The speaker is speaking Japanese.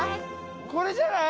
これじゃない？